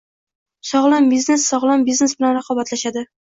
Sog'lom biznes sog'lom biznes bilan raqobatlashadi